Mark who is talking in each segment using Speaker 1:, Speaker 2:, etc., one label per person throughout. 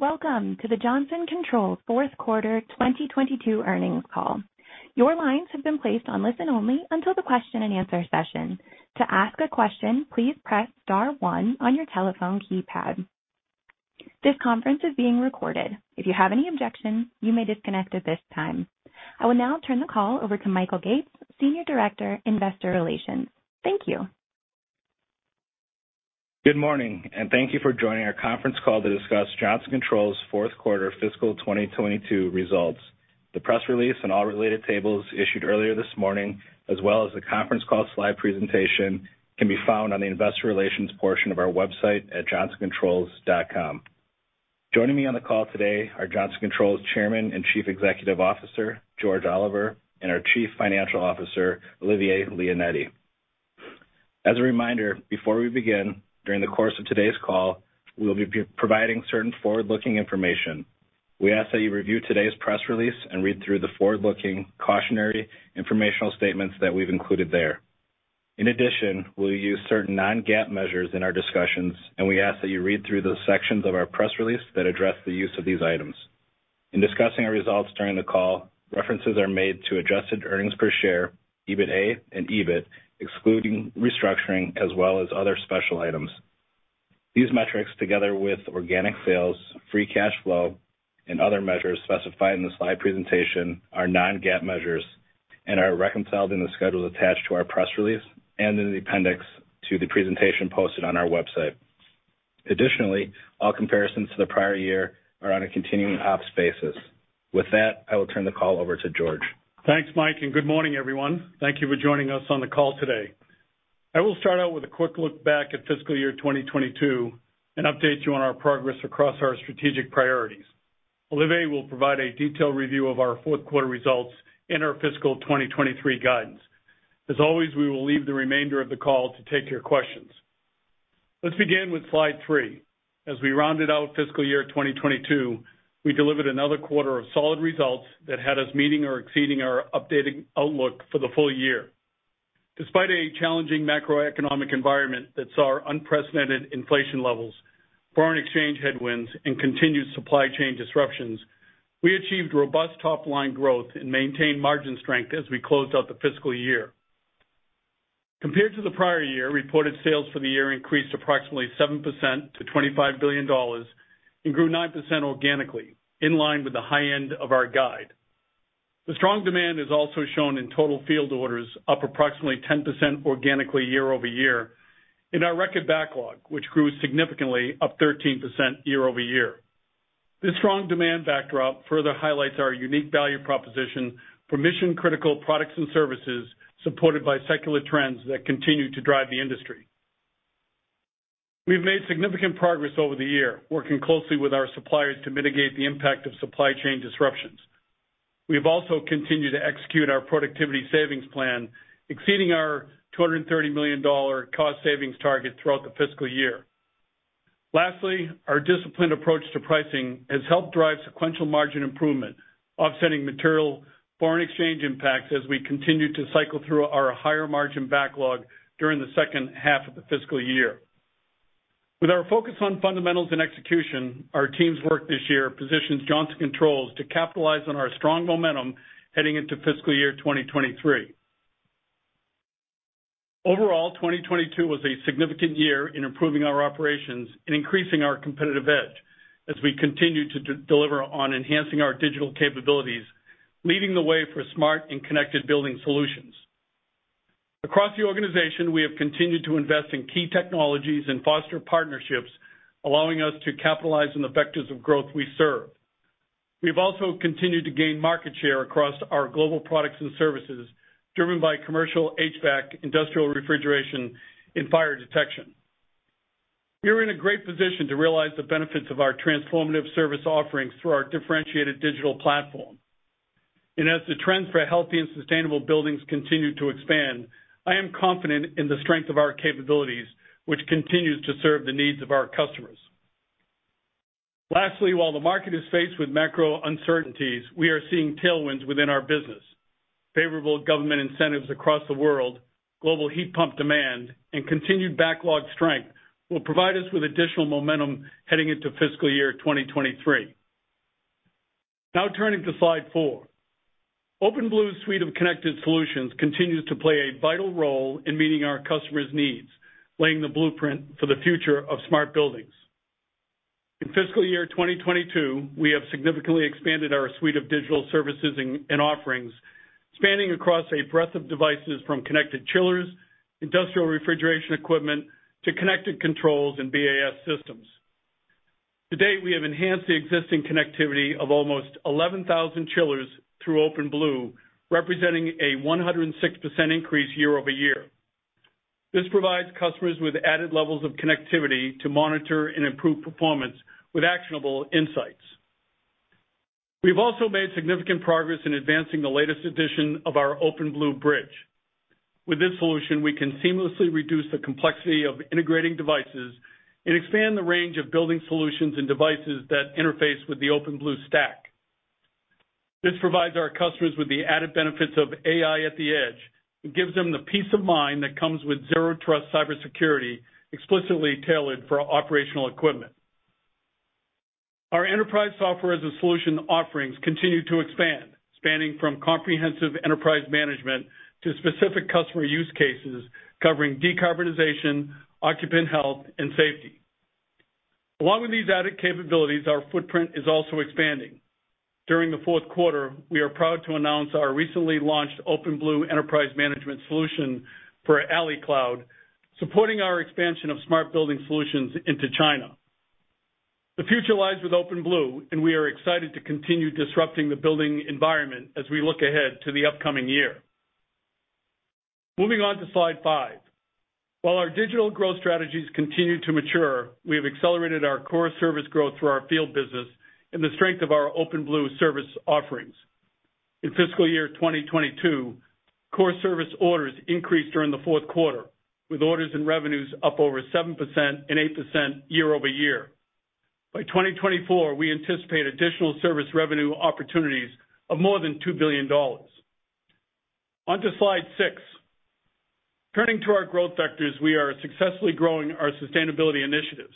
Speaker 1: Welcome to the Johnson Controls Fourth Quarter 2022 Earnings Call. Your lines have been placed on listen-only until the question-and-answer session. To ask a question, please press star one on your telephone keypad. This conference is being recorded. If you have any objections, you may disconnect at this time. I will now turn the call over to Michael Gates, Senior Director, Investor Relations. Thank you.
Speaker 2: Good morning, and thank you for joining our conference call to discuss Johnson Controls fourth quarter fiscal 2022 results. The press release and all related tables issued earlier this morning, as well as the conference call slide presentation, can be found on the investor relations portion of our website at johnsoncontrols.com. Joining me on the call today are Johnson Controls Chairman and Chief Executive Officer, George Oliver, and our Chief Financial Officer, Olivier Leonetti. As a reminder, before we begin, during the course of today's call, we will be providing certain forward-looking information. We ask that you review today's press release and read through the forward-looking cautionary informational statements that we've included there. In addition, we'll use certain non-GAAP measures in our discussions, and we ask that you read through those sections of our press release that address the use of these items. In discussing our results during the call, references are made to adjusted earnings per share, EBITA and EBIT, excluding restructuring as well as other special items. These metrics, together with organic sales, free cash flow, and other measures specified in the slide presentation, are non-GAAP measures and are reconciled in the schedules attached to our press release and in the appendix to the presentation posted on our website. Additionally, all comparisons to the prior year are on a continuing ops basis. With that, I will turn the call over to George.
Speaker 3: Thanks, Michael, and good morning, everyone. Thank you for joining us on the call today. I will start out with a quick look back at fiscal year 2022 and update you on our progress across our strategic priorities. Olivier will provide a detailed review of our fourth quarter results and our fiscal 2023 guidance. As always, we will leave the remainder of the call to take your questions. Let's begin with slide three. As we rounded out fiscal year 2022, we delivered another quarter of solid results that had us meeting or exceeding our updated outlook for the full year. Despite a challenging macroeconomic environment that saw unprecedented inflation levels, foreign exchange headwinds, and continued supply chain disruptions, we achieved robust top-line growth and maintained margin strength as we closed out the fiscal year. Compared to the prior year, reported sales for the year increased approximately 7% to $25 billion and grew 9% organically, in line with the high end of our guide. The strong demand is also shown in total field orders up approximately 10% organically year over year in our record backlog, which grew significantly up 13% year over year. This strong demand backdrop further highlights our unique value proposition for mission-critical products and services supported by secular trends that continue to drive the industry. We've made significant progress over the year, working closely with our suppliers to mitigate the impact of supply chain disruptions. We've also continued to execute our productivity savings plan, exceeding our $230 million cost savings target throughout the fiscal year. Lastly, our disciplined approach to pricing has helped drive sequential margin improvement, offsetting material foreign exchange impacts as we continued to cycle through our higher margin backlog during the second half of the fiscal year. With our focus on fundamentals and execution, our team's work this year positions Johnson Controls to capitalize on our strong momentum heading into fiscal year 2023. Overall, 2022 was a significant year in improving our operations and increasing our competitive edge as we continued to deliver on enhancing our digital capabilities, leading the way for smart and connected building solutions. Across the organization, we have continued to invest in key technologies and foster partnerships, allowing us to capitalize on the vectors of growth we serve. We've also continued to gain market share across our global products and services, driven by commercial HVAC, industrial refrigeration, and fire detection. We are in a great position to realize the benefits of our transformative service offerings through our differentiated digital platform. As the trends for healthy and sustainable buildings continue to expand, I am confident in the strength of our capabilities, which continues to serve the needs of our customers. Lastly, while the market is faced with macro uncertainties, we are seeing tailwinds within our business. Favorable government incentives across the world, global heat pump demand, and continued backlog strength will provide us with additional momentum heading into fiscal year 2023. Now turning to slide four. OpenBlue's suite of connected solutions continues to play a vital role in meeting our customers' needs, laying the blueprint for the future of smart buildings. In fiscal year 2022, we have significantly expanded our suite of digital services and offerings, spanning across a breadth of devices from connected chillers, industrial refrigeration equipment, to connected controls and BAS systems. To date, we have enhanced the existing connectivity of almost 11,000 chillers through OpenBlue, representing a 106% increase year-over-year. This provides customers with added levels of connectivity to monitor and improve performance with actionable insights. We've also made significant progress in advancing the latest edition of our OpenBlue Bridge. With this solution, we can seamlessly reduce the complexity of integrating devices and expand the range of building solutions and devices that interface with the OpenBlue stack. This provides our customers with the added benefits of AI at the edge and gives them the peace of mind that comes with zero trust cybersecurity explicitly tailored for operational equipment. Our enterprise software-as-a-service offerings continue to expand, spanning from comprehensive enterprise management to specific customer use cases covering decarbonization, occupant health, and safety. Along with these added capabilities, our footprint is also expanding. During the fourth quarter, we are proud to announce our recently launched OpenBlue Enterprise Manager solution for Alibaba Cloud, supporting our expansion of smart building solutions into China. The future lies with OpenBlue, and we are excited to continue disrupting the building environment as we look ahead to the upcoming year. Moving on to slide five. While our digital growth strategies continue to mature, we have accelerated our core service growth through our field business and the strength of our OpenBlue service offerings. In fiscal year 2022, core service orders increased during the fourth quarter, with orders and revenues up over 7% and 8% year-over-year. By 2024, we anticipate additional service revenue opportunities of more than $2 billion. On to slide six. Turning to our growth vectors, we are successfully growing our sustainability initiatives.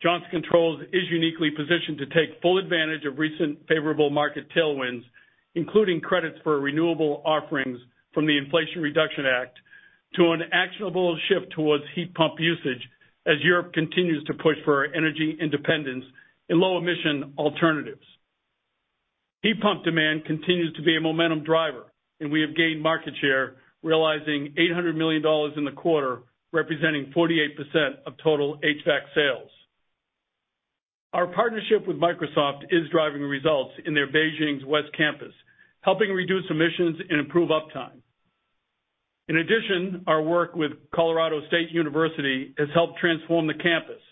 Speaker 3: Johnson Controls is uniquely positioned to take full advantage of recent favorable market tailwinds, including credits for renewable offerings from the Inflation Reduction Act to an actionable shift towards heat pump usage as Europe continues to push for energy independence and low-emission alternatives. Heat pump demand continues to be a momentum driver, and we have gained market share realizing $800 million in the quarter, representing 48% of total HVAC sales. Our partnership with Microsoft is driving results in their Beijing West Campus, helping reduce emissions and improve uptime. In addition, our work with Colorado State University Pueblo has helped transform the campus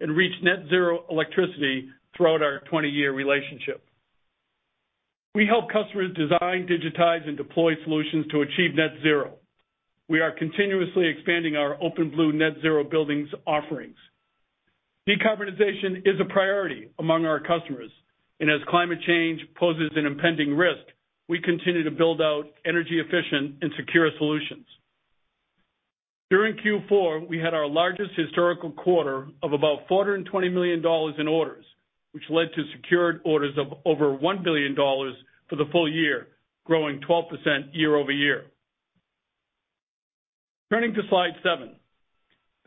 Speaker 3: and reach net zero electricity throughout our 20-year relationship. We help customers design, digitize, and deploy solutions to achieve net zero. We are continuously expanding our OpenBlue Net Zero Buildings offerings. Decarbonization is a priority among our customers, and as climate change poses an impending risk, we continue to build out energy efficient and secure solutions. During Q4, we had our largest historical quarter of about $420 million in orders, which led to secured orders of over $1 billion for the full year, growing 12% year-over-year. Turning to slide seven.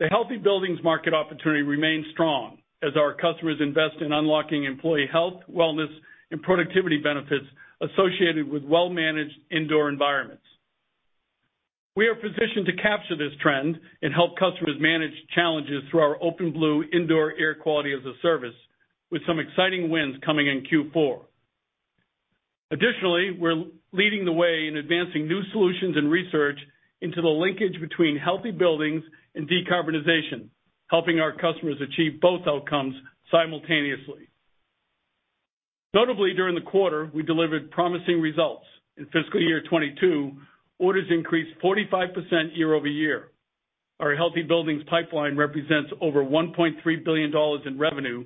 Speaker 3: The healthy buildings market opportunity remains strong as our customers invest in unlocking employee health, wellness, and productivity benefits associated with well-managed indoor environments. We are positioned to capture this trend and help customers manage challenges through our OpenBlue Indoor Air Quality as a Service, with some exciting wins coming in Q4. Additionally, we're leading the way in advancing new solutions and research into the linkage between healthy buildings and decarbonization, helping our customers achieve both outcomes simultaneously. Notably, during the quarter, we delivered promising results. In fiscal year 2022, orders increased 45% year over year. Our healthy buildings pipeline represents over $1.3 billion in revenue,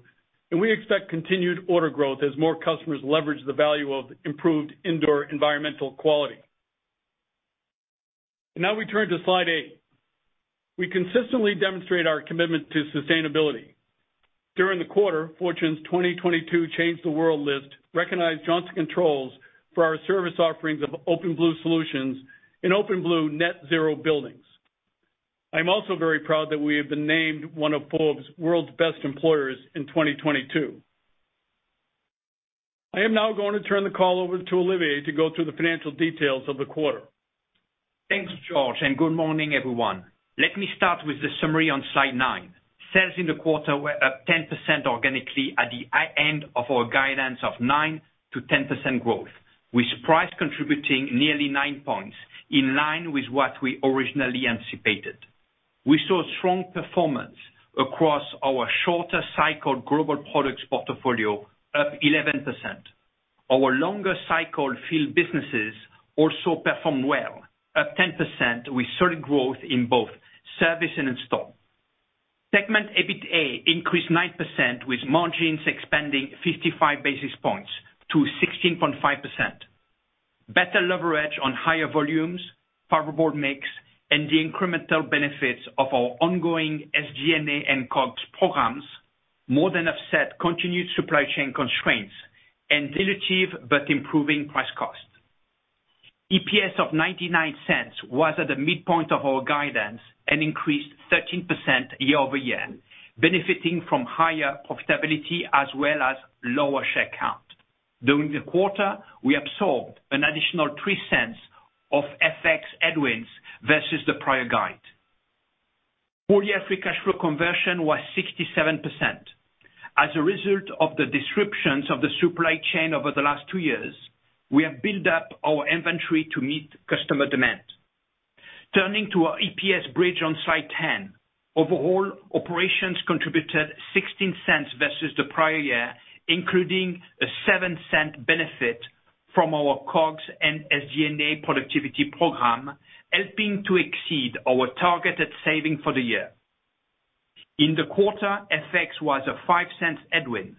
Speaker 3: and we expect continued order growth as more customers leverage the value of improved indoor environmental quality. Now we turn to slide eight. We consistently demonstrate our commitment to sustainability. During the quarter, Fortune's 2022 Change the World list recognized Johnson Controls for our service offerings of OpenBlue solutions in OpenBlue Net Zero Buildings. I'm also very proud that we have been named one of Forbes World's Best Employers in 2022. I am now going to turn the call over to Olivier to go through the financial details of the quarter.
Speaker 4: Thanks, George, and good morning, everyone. Let me start with the summary on slide nine. Sales in the quarter were up 10% organically at the high end of our guidance of 9%-10% growth, with price contributing nearly nine points in line with what we originally anticipated. We saw strong performance across our shorter cycle global products portfolio up 11%. Our longer cycle field businesses also performed well, up 10%, with solid growth in both service and install. Segment EBITA increased 9%, with margins expanding 55 basis points to 16.5%. Better leverage on higher volumes, favorable mix, and the incremental benefits of our ongoing SG&A and COGS programs more than offset continued supply chain constraints and dilutive but improving price cost. EPS of $0.99 was at the midpoint of our guidance and increased 13% year-over-year, benefiting from higher profitability as well as lower share count. During the quarter, we absorbed an additional $0.03 of FX headwinds versus the prior guide. Full year free cash flow conversion was 67%. As a result of the disruptions of the supply chain over the last two years, we have built up our inventory to meet customer demand. Turning to our EPS bridge on slide 10. Overall, operations contributed $0.16 versus the prior year, including a $0.07 benefit from our COGS and SG&A productivity program, helping to exceed our targeted savings for the year. In the quarter, FX was a $0.05 headwind.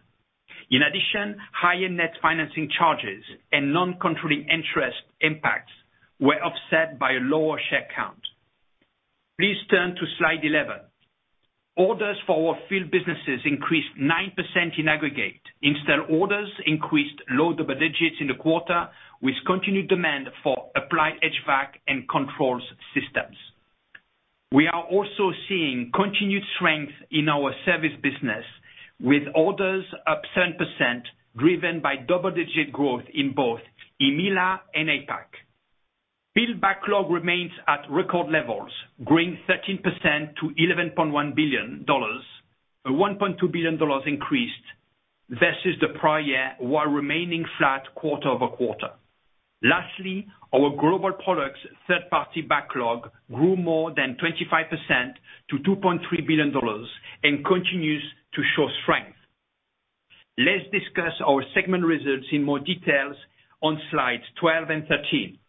Speaker 4: In addition, higher net financing charges and non-controlling interest impacts were offset by a lower share count. Please turn to slide 11. Orders for our field businesses increased 9% in aggregate. Install orders increased low double digits in the quarter, with continued demand for applied HVAC and controls systems. We are also seeing continued strength in our service business, with orders up 7%, driven by double-digit growth in both EMEIA and APAC. Billable backlog remains at record levels, growing 13% to $11.1 billion, a $1.2 billion increase versus the prior year, while remaining flat quarter-over-quarter. Lastly, our global products third-party backlog grew more than 25% to $2.3 billion and continues to show strength. Let's discuss our segment results in more details on slides 12 and 13.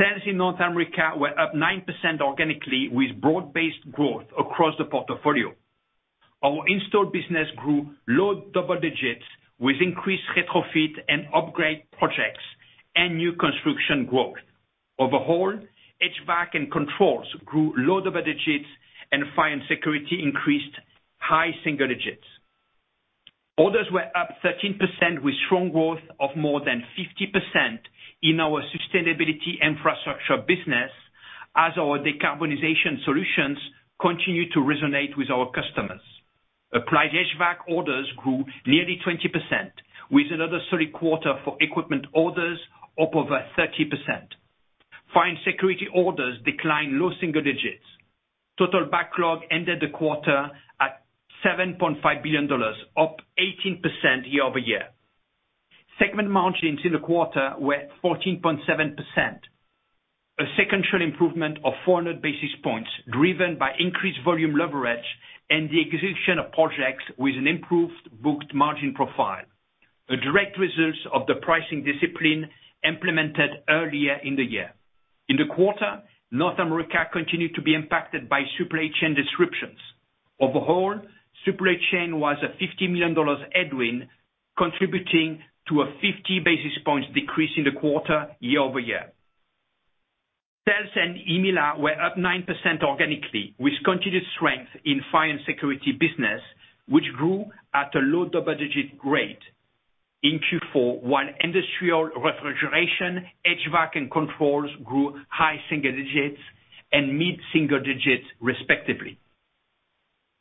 Speaker 4: Sales in North America were up 9% organically, with broad-based growth across the portfolio. Our installed business grew low double digits, with increased retrofit and upgrade projects and new construction growth. Overall, HVAC and controls grew low double digits, and fire and security increased high single digits. Orders were up 13% with strong growth of more than 50% in our sustainability infrastructure business as our decarbonization solutions continue to resonate with our customers. Applied HVAC orders grew nearly 20%, with another solid quarter for equipment orders up over 30%. Fire and security orders declined low single digits. Total backlog ended the quarter at $7.5 billion, up 18% year-over-year. Segment margins in the quarter were 14.7%, a sequential improvement of 400 basis points, driven by increased volume leverage and the execution of projects with an improved booked margin profile, a direct result of the pricing discipline implemented earlier in the year. In the quarter, North America continued to be impacted by supply chain disruptions. Overall, supply chain was a $50 million headwind, contributing to a 50 basis points decrease in the quarter year-over-year. Sales in EMEIA were up 9% organically, with continued strength in fire and security business, which grew at a low double-digit rate in Q4, while industrial refrigeration, HVAC, and controls grew high single digits and mid-single digits, respectively.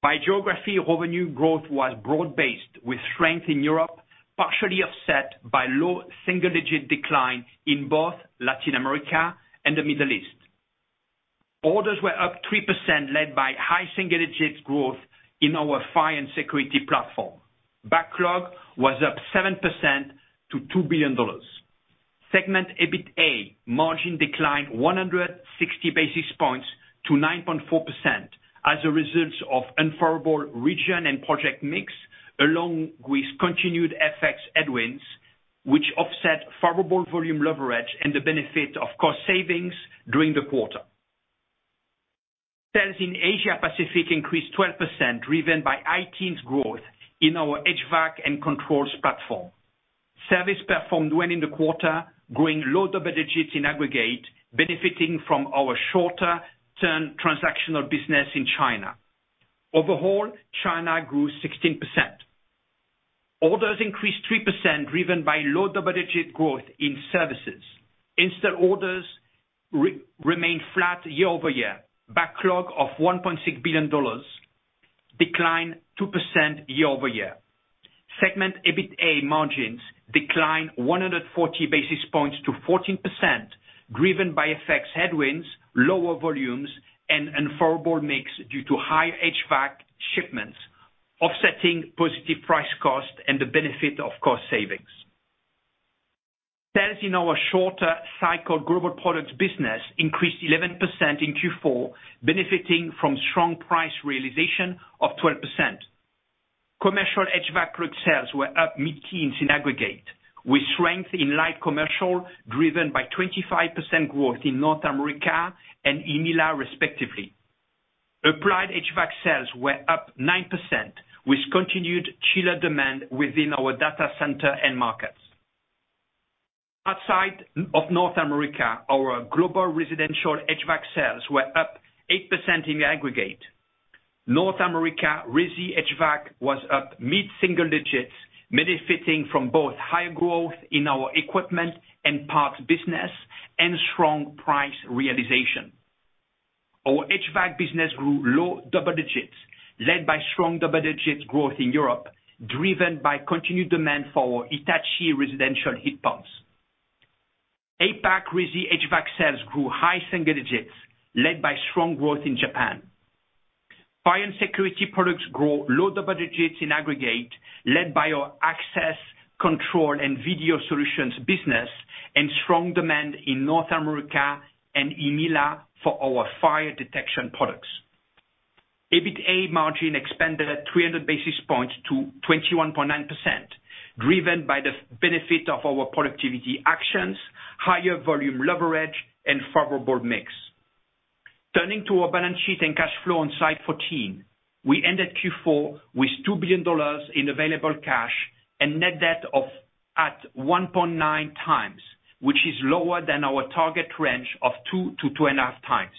Speaker 4: By geography, revenue growth was broad-based, with strength in Europe partially offset by low single-digit decline in both Latin America and the Middle East. Orders were up 3%, led by high single-digit growth in our fire and security platform. Backlog was up 7% to $2 billion. Segment EBITA margin declined 160 basis points to 9.4% as a result of unfavorable region and project mix, along with continued FX headwinds, which offset favorable volume leverage and the benefit of cost savings during the quarter. Sales in Asia Pacific increased 12%, driven by high teens growth in our HVAC and controls platform. Service performed well in the quarter, growing low double digits in aggregate, benefiting from our shorter-term transactional business in China. Overall, China grew 16%. Orders increased 3% driven by low double-digit growth in services. Install orders remain flat year-over-year. Backlog of $1.6 billion declined 2% year-over-year. Segment EBITA margins declined 140 basis points to 14%, driven by FX headwinds, lower volumes, and unfavorable mix due to higher HVAC shipments, offsetting positive price cost and the benefit of cost savings. Sales in our shorter cycle global products business increased 11% in Q4, benefiting from strong price realization of 12%. Commercial HVAC group sales were up mid-teens in aggregate, with strength in light commercial driven by 25% growth in North America and EMEIA, respectively. Applied HVAC sales were up 9%, with continued chiller demand within our data center end markets. Outside of North America, our global residential HVAC sales were up 8% in aggregate. North America resi HVAC was up mid-single digits, benefiting from both high growth in our equipment and parts business and strong price realization. Our HVAC business grew low double digits, led by strong double-digit growth in Europe, driven by continued demand for our Hitachi residential heat pumps. APAC resi HVAC sales grew high single digits, led by strong growth in Japan. Fire and security products grow low double digits in aggregate, led by our access, control, and video solutions business and strong demand in North America and EMEIA for our fire detection products. EBITA margin expanded 300 basis points to 21.9%. Driven by the benefit of our productivity actions, higher volume leverage and favorable mix. Turning to our balance sheet and cash flow on slide 14, we ended Q4 with $2 billion in available cash and net debt of 1.9 times, which is lower than our target range of 2 times-2.5 times.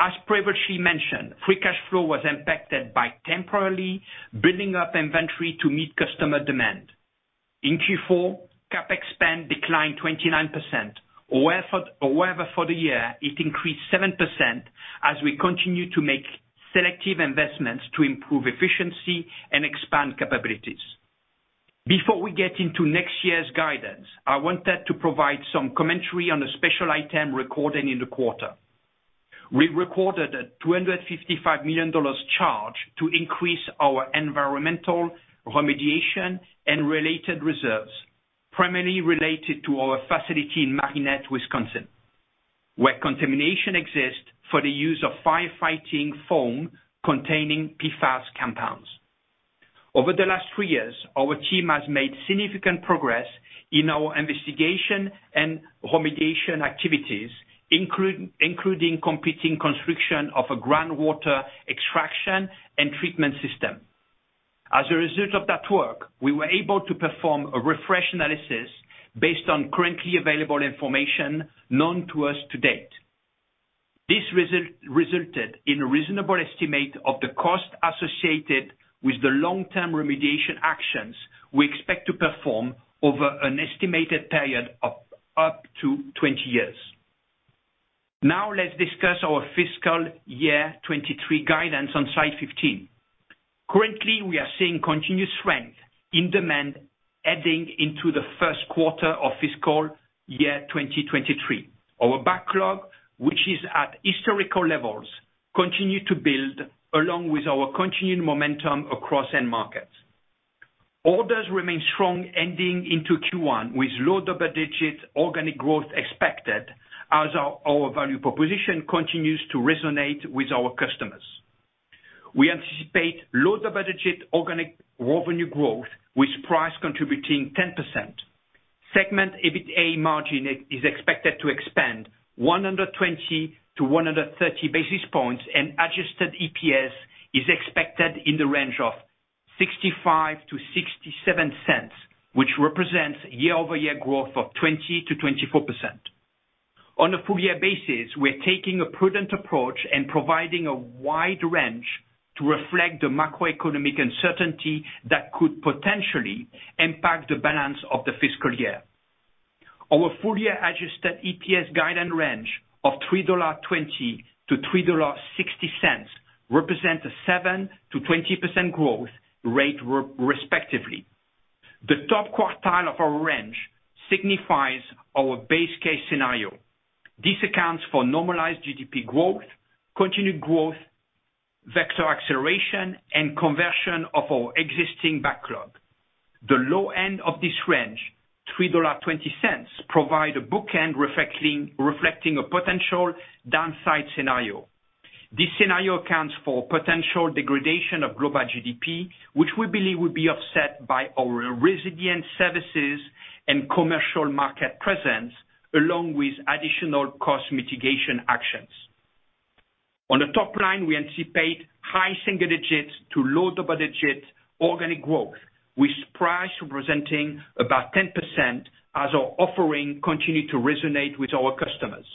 Speaker 4: As previously mentioned, free cash flow was impacted by temporarily building up inventory to meet customer demand. In Q4, CapEx spend declined 29%. However, for the year, it increased 7% as we continue to make selective investments to improve efficiency and expand capabilities. Before we get into next year's guidance, I wanted to provide some commentary on a special item recorded in the quarter. We recorded a $255 million charge to increase our environmental remediation and related reserves, primarily related to our facility in Marinette, Wisconsin, where contamination exists for the use of firefighting foam containing PFAS compounds. Over the last three years, our team has made significant progress in our investigation and remediation activities, including completing construction of a groundwater extraction and treatment system. As a result of that work, we were able to perform a refresh analysis based on currently available information known to us to date. This resulted in a reasonable estimate of the cost associated with the long-term remediation actions we expect to perform over an estimated period of up to 20 years. Now, let's discuss our fiscal year 2023 guidance on slide 15. Currently, we are seeing continuous strength in demand heading into the first quarter of fiscal year 2023. Our backlog, which is at historical levels, continue to build along with our continued momentum across end markets. Orders remain strong heading into Q1 with low double-digit organic growth expected as our value proposition continues to resonate with our customers. We anticipate low double-digit organic revenue growth, with price contributing 10%. Segment EBITA margin is expected to expand 120-130 basis points, and adjusted EPS is expected in the range of $0.65-$0.67, which represents year-over-year growth of 20%-24%. On a full-year basis, we're taking a prudent approach and providing a wide range to reflect the macroeconomic uncertainty that could potentially impact the balance of the fiscal year. Our full-year adjusted EPS guidance range of $3.20-$3.60 represents a 7%-20% growth rate respectively. The top quartile of our range signifies our base case scenario. This accounts for normalized GDP growth, continued growth, vector acceleration, and conversion of our existing backlog. The low end of this range, $3.20, provides a bookend reflecting a potential downside scenario. This scenario accounts for potential degradation of global GDP, which we believe will be offset by our resilient services and commercial market presence, along with additional cost mitigation actions. On the top line, we anticipate high single digits to low double-digit organic growth, with price representing about 10% as our offering continue to resonate with our customers.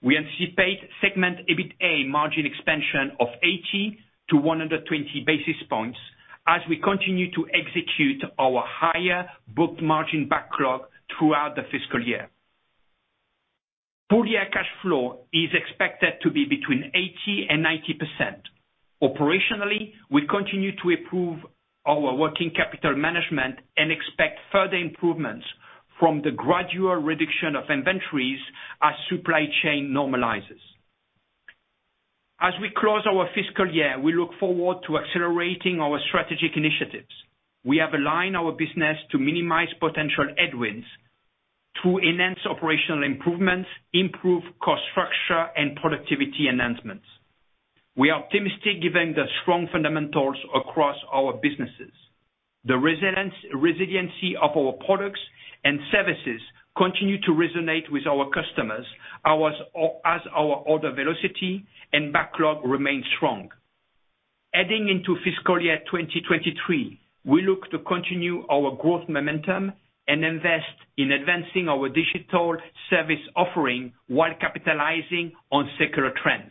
Speaker 4: We anticipate segment EBITA margin expansion of 80-120 basis points as we continue to execute our higher booked margin backlog throughout the fiscal year. Full-year cash flow is expected to be between 80% and 90%. Operationally, we continue to improve our working capital management and expect further improvements from the gradual reduction of inventories as supply chain normalizes. As we close our fiscal year, we look forward to accelerating our strategic initiatives. We have aligned our business to minimize potential headwinds through enhanced operational improvements, improved cost structure and productivity enhancements. We are optimistic given the strong fundamentals across our businesses. The resiliency of our products and services continue to resonate with our customers, as our order velocity and backlog remain strong. Heading into fiscal year 2023, we look to continue our growth momentum and invest in advancing our digital service offering while capitalizing on secular trends.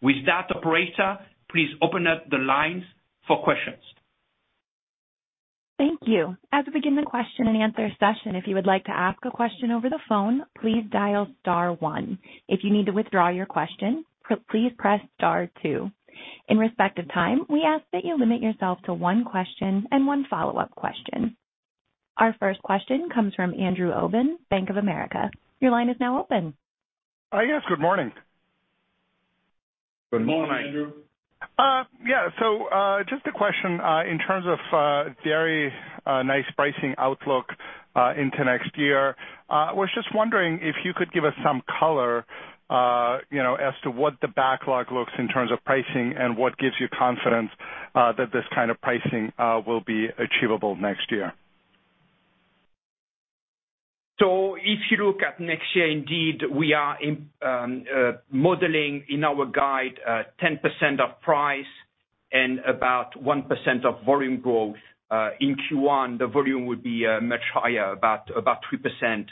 Speaker 4: With that, operator, please open up the lines for questions.
Speaker 1: Thank you. As we begin the question-and-answer session, if you would like to ask a question over the phone, please dial star one. If you need to withdraw your question, please press star two. In respect of time, we ask that you limit yourself to one question and one follow-up question. Our first question comes from Andrew Obin, Bank of America. Your line is now open.
Speaker 5: Yes, good morning.
Speaker 4: Good morning.
Speaker 3: Good morning, Andrew.
Speaker 5: Just a question in terms of very nice pricing outlook into next year. Was just wondering if you could give us some color, you know, as to what the backlog looks like in terms of pricing and what gives you confidence that this kind of pricing will be achievable next year.
Speaker 4: If you look at next year, indeed, we are modeling in our guide 10% of price and about 1% of volume growth. In Q1, the volume would be much higher, about 3%,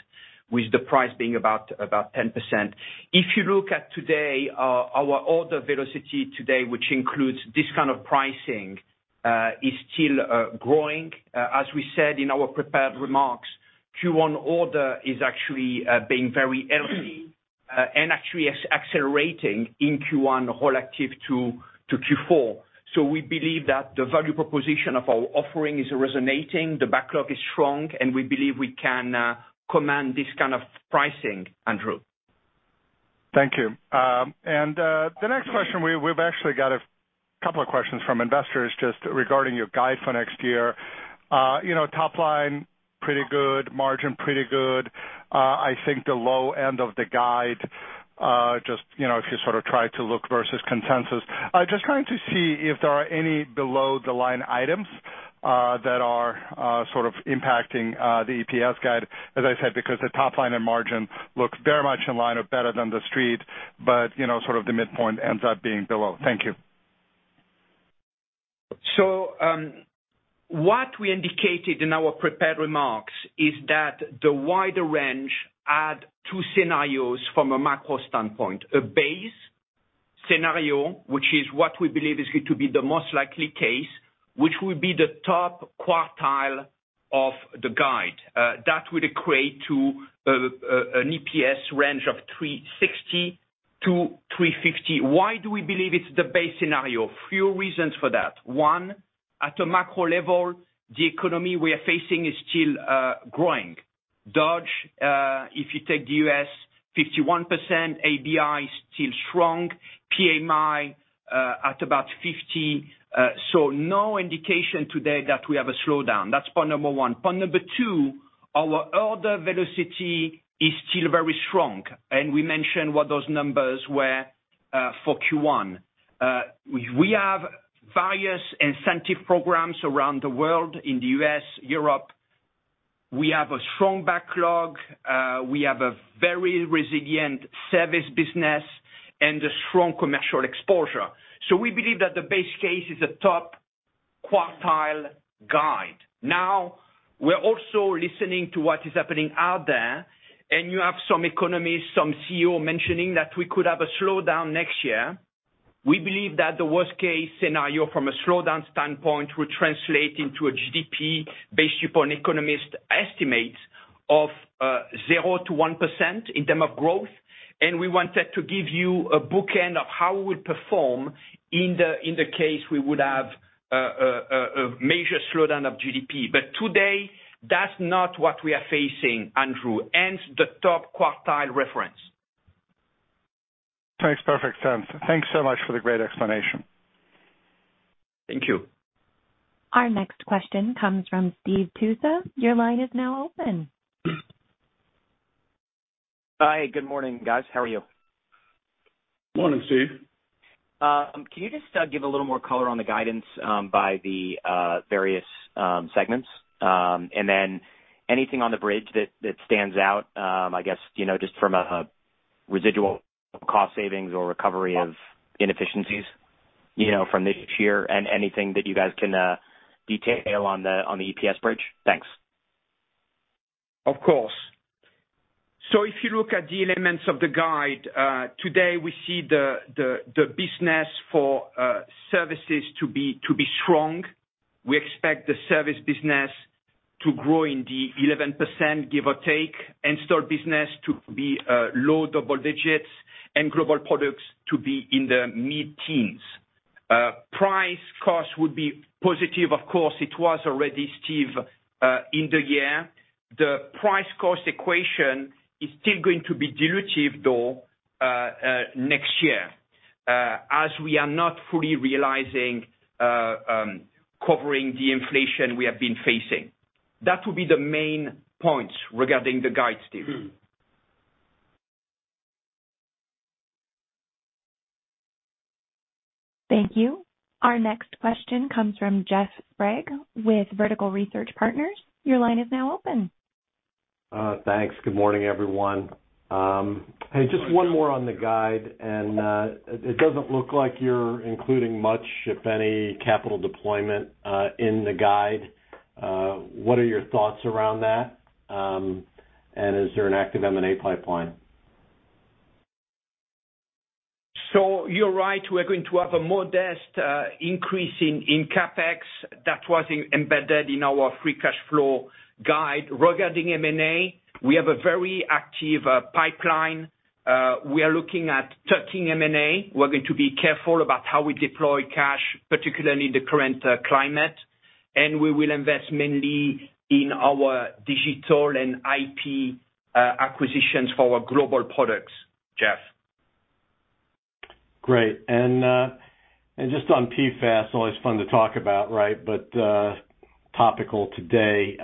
Speaker 4: with the price being about 10%. If you look at today, our order velocity today, which includes this kind of pricing, is still growing. As we said in our prepared remarks, Q1 order is actually being very healthy, and actually accelerating in Q1 year-over-year to Q4. We believe that the value proposition of our offering is resonating, the backlog is strong, and we believe we can command this kind of pricing, Andrew.
Speaker 5: Thank you. The next question, we've actually got a couple of questions from investors just regarding your guide for next year. You know, top line, pretty good. Margin, pretty good. I think the low end of the guide, just, you know, if you sort of try to look versus consensus. Just trying to see if there are any below the line items, that are, sort of impacting, the EPS guide, as I said, because the top line and margin looks very much in line or better than the Street, but, you know, sort of the midpoint ends up being below. Thank you.
Speaker 4: What we indicated in our prepared remarks is that the wider range has two scenarios from a macro standpoint. A base scenario, which is what we believe is going to be the most likely case, which will be the top quartile of the guide. That would equate to an EPS range of $3.60-$3.50. Why do we believe it's the base scenario? Few reasons for that. One, at a macro level, the economy we are facing is still growing. Dodge, if you take the US, 51%, ABI is still strong, PMI at about 50. So no indication today that we have a slowdown. That's point number one. Point number two, our order velocity is still very strong, and we mentioned what those numbers were for Q1. We have various incentive programs around the world in the US, Europe. We have a strong backlog. We have a very resilient service business and a strong commercial exposure. We believe that the base case is a top quartile guide. Now, we're also listening to what is happening out there, and you have some economists, some CEO mentioning that we could have a slowdown next year. We believe that the worst-case scenario from a slowdown standpoint will translate into a GDP based upon economist estimates of 0%-1% in terms of growth. We wanted to give you a bookend of how we'll perform in the case we would have a major slowdown of GDP. Today, that's not what we are facing, Andrew, hence the top quartile reference.
Speaker 5: Makes perfect sense. Thanks so much for the great explanation.
Speaker 4: Thank you.
Speaker 1: Our next question comes from Steve Tusa. Your line is now open.
Speaker 6: Hi. Good morning, guys. How are you?
Speaker 4: Morning, Steve.
Speaker 6: Can you just give a little more color on the guidance by the various segments? Then anything on the bridge that stands out, I guess, you know, just from a residual cost savings or recovery of inefficiencies, you know, from this year and anything that you guys can detail on the EPS bridge? Thanks.
Speaker 4: Of course. If you look at the elements of the guide today, we see the business for services to be strong. We expect the service business to grow in the 11%, give or take, install business to be low double digits and global products to be in the mid-teens. Price-cost would be positive. Of course, it was already, Steve, in the year. The price-cost equation is still going to be dilutive, though, next year, as we are not fully realizing covering the inflation we have been facing. That will be the main points regarding the guide, Steve.
Speaker 1: Thank you. Our next question comes from Jeff Sprague with Vertical Research Partners. Your line is now open.
Speaker 7: Thanks. Good morning, everyone. Hey, just one more on the guide, and it doesn't look like you're including much, if any, capital deployment in the guide. What are your thoughts around that? Is there an active M&A pipeline?
Speaker 4: You're right. We're going to have a modest increase in CapEx that was embedded in our free cash flow guide. Regarding M&A, we have a very active pipeline. We are looking at targeting M&A. We're going to be careful about how we deploy cash, particularly in the current climate, and we will invest mainly in our digital and IP acquisitions for our global products, Jeff.
Speaker 7: Great. Just on PFAS, always fun to talk about, right? Topical today,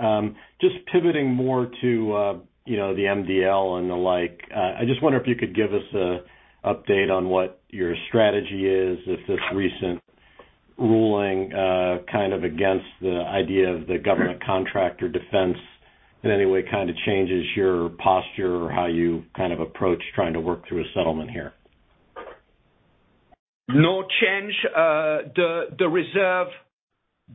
Speaker 7: just pivoting more to you know, the MDL and the like. I just wonder if you could give us an update on what your strategy is if this recent Ruling, kind of against the idea of the government contractor defense in any way, kind of, changes your posture or how you, kind of, approach trying to work through a settlement here?
Speaker 4: No change. The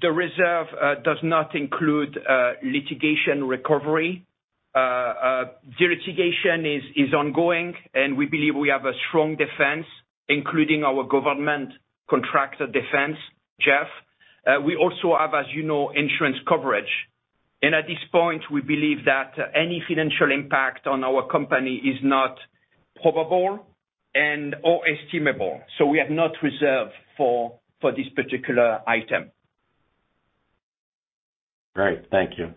Speaker 4: reserve does not include litigation recovery. The litigation is ongoing, and we believe we have a strong defense, including our government contractor defense, Jeff. We also have, as you know, insurance coverage. At this point, we believe that any financial impact on our company is not probable and/or estimable, so we have not reserved for this particular item.
Speaker 7: Great. Thank you.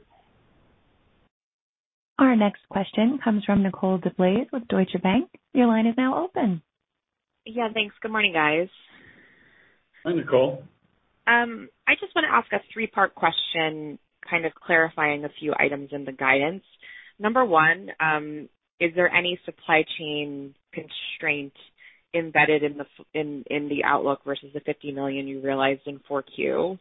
Speaker 1: Our next question comes from Nicole DeBlase with Deutsche Bank. Your line is now open.
Speaker 8: Yeah, thanks. Good morning, guys.
Speaker 4: Hi, Nicole.
Speaker 8: I just want to ask a three-part question, kind of clarifying a few items in the guidance. Number one, is there any supply chain constraint embedded in the outlook versus the $50 million you realized in 4Q?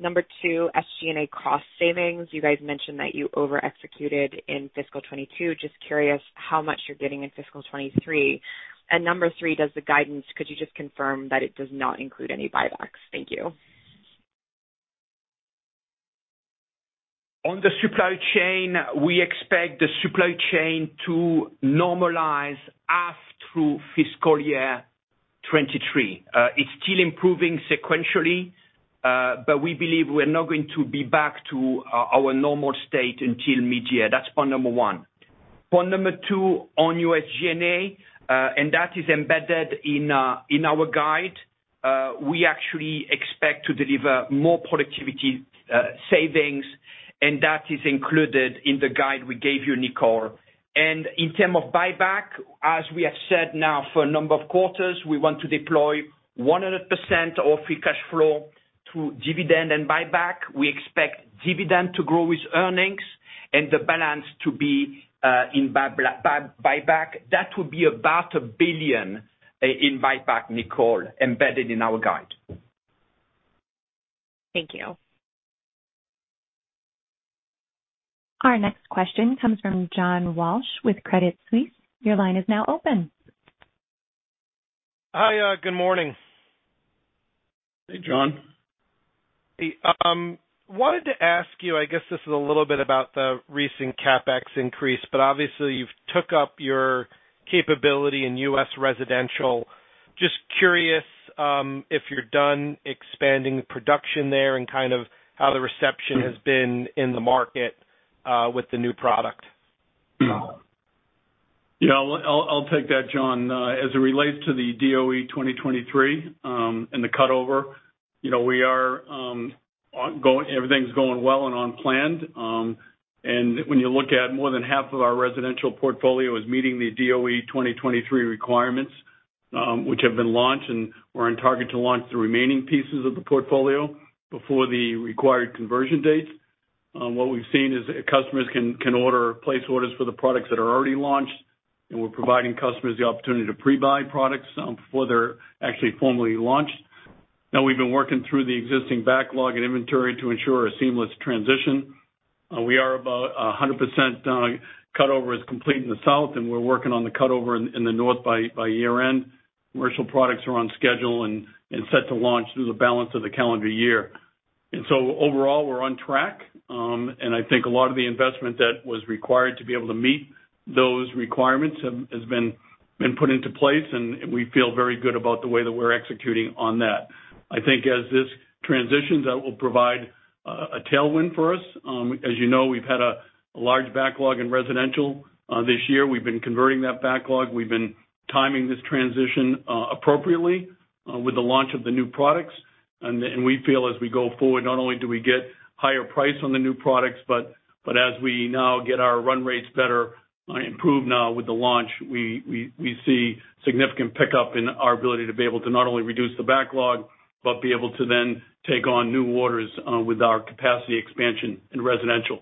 Speaker 8: Number two, SG&A cost savings. You guys mentioned that you over-executed in fiscal 2022. Just curious how much you're getting in fiscal 2023. Number three, could you just confirm that it does not include any buybacks? Thank you.
Speaker 4: On the supply chain, we expect the supply chain to normalize halfway through fiscal year 2023. It's still improving sequentially, but we believe we're now going to be back to our normal state until mid-year. That's point number one. Point number two on SG&A, and that is embedded in our guide. We actually expect to deliver more productivity savings, and that is included in the guide we gave you, Nicole. In terms of buyback, as we have said now for a number of quarters, we want to deploy 100% of free cash flow through dividend and buyback. We expect dividend to grow with earnings and the balance to be in buyback. That would be about $1 billion in buyback, Nicole, embedded in our guide.
Speaker 8: Thank you.
Speaker 1: Our next question comes from John Walsh with Credit Suisse. Your line is now open.
Speaker 9: Hi, good morning.
Speaker 4: Hey, John.
Speaker 9: Hey, wanted to ask you. I guess this is a little bit about the recent CapEx increase, but obviously you've took up your capability in U.S. residential. Just curious, if you're done expanding production there and kind of how the reception has been in the market with the new product.
Speaker 3: Yeah. I'll take that, John. As it relates to the DOE 2023 and the cutover, you know, everything's going well and on plan. When you look at more than half of our residential portfolio is meeting the DOE 2023 requirements, which have been launched, and we're on target to launch the remaining pieces of the portfolio before the required conversion dates. What we've seen is that customers can place orders for the products that are already launched, and we're providing customers the opportunity to pre-buy products before they're actually formally launched. Now we've been working through the existing backlog and inventory to ensure a seamless transition. We are about 100% cutover is complete in the South, and we're working on the cutover in the North by year-end. Commercial products are on schedule and set to launch through the balance of the calendar year. Overall, we're on track. I think a lot of the investment that was required to be able to meet those requirements has been put into place, and we feel very good about the way that we're executing on that. I think as this transitions, that will provide a tailwind for us. As you know, we've had a large backlog in residential this year. We've been converting that backlog. We've been timing this transition appropriately with the launch of the new products. We feel as we go forward, not only do we get higher price on the new products, but as we now get our run rates better, improved now with the launch, we see significant pickup in our ability to be able to not only reduce the backlog, but be able to then take on new orders, with our capacity expansion in residential.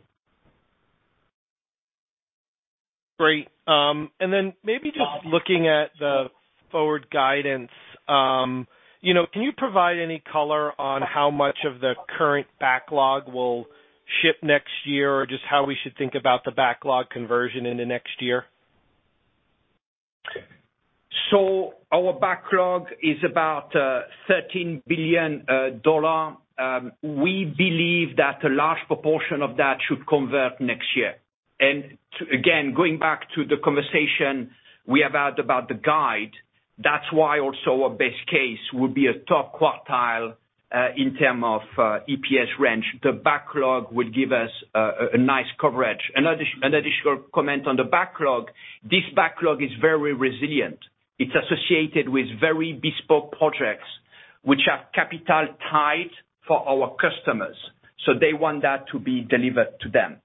Speaker 9: Great. Maybe just looking at the forward guidance, you know, can you provide any color on how much of the current backlog will ship next year, or just how we should think about the backlog conversion in the next year?
Speaker 4: Our backlog is about $13 billion. We believe that a large proportion of that should convert next year. To again going back to the conversation we have had about the guide, that's why also our best case would be a top quartile in terms of EPS range. The backlog would give us a nice coverage. An additional comment on the backlog, this backlog is very resilient. It's associated with very bespoke projects which are capital tight for our customers, so they want that to be delivered to them.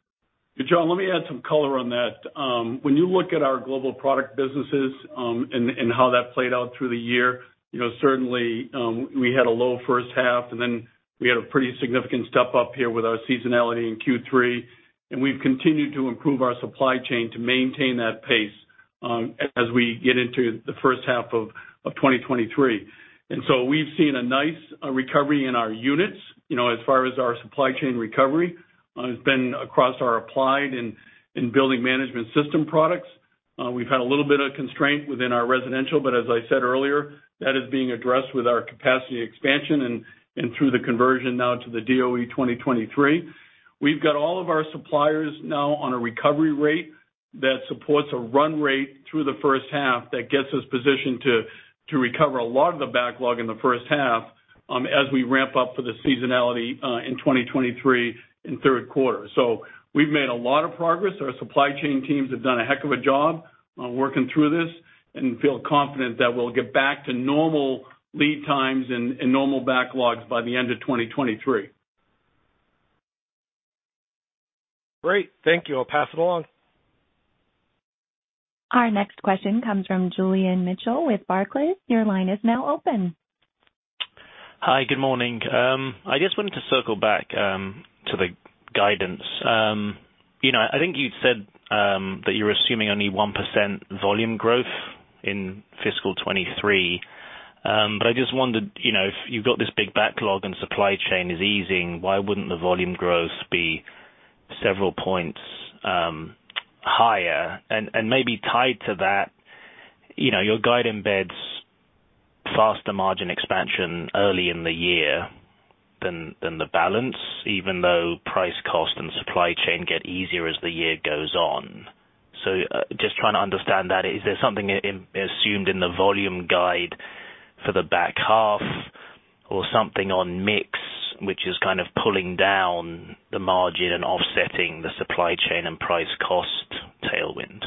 Speaker 3: John, let me add some color on that. When you look at our global product businesses, and how that played out through the year, you know, certainly, we had a low first half, and then we had a pretty significant step up here with our seasonality in Q3. We've continued to improve our supply chain to maintain that pace. As we get into the first half of 2023. We've seen a nice recovery in our units, you know, as far as our supply chain recovery. It's been across our applied and building management system products. We've had a little bit of constraint within our residential, but as I said earlier, that is being addressed with our capacity expansion and through the conversion now to the DOE 2023. We've got all of our suppliers now on a recovery rate that supports a run rate through the first half that gets us positioned to recover a lot of the backlog in the first half, as we ramp up for the seasonality in 2023 in third quarter. We've made a lot of progress. Our supply chain teams have done a heck of a job on working through this and feel confident that we'll get back to normal lead times and normal backlogs by the end of 2023.
Speaker 9: Great. Thank you. I'll pass it along.
Speaker 1: Our next question comes from Julian Mitchell with Barclays. Your line is now open.
Speaker 10: Hi. Good morning. I just wanted to circle back to the guidance. You know, I think you said that you're assuming only 1% volume growth in fiscal 2023. I just wondered, you know, if you've got this big backlog and supply chain is easing, why wouldn't the volume growth be several points higher? Maybe tied to that, you know, your guide embeds faster margin expansion early in the year than the balance, even though price cost and supply chain get easier as the year goes on. Just trying to understand that. Is there something assumed in the volume guide for the back half or something on mix, which is kind of pulling down the margin and offsetting the supply chain and price cost tailwind?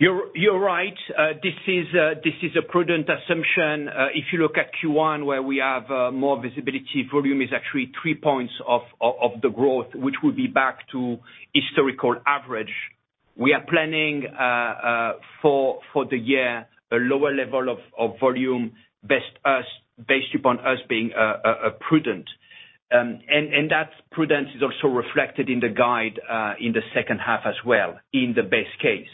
Speaker 4: You're right. This is a prudent assumption. If you look at Q1 where we have more visibility, volume is actually three points of the growth, which will be back to historical average. We are planning for the year a lower level of volume based upon us being prudent. That prudence is also reflected in the guide in the second half as well in the best case.